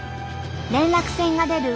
連絡船が出る